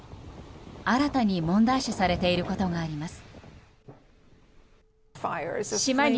新たに問題視されていることがあります。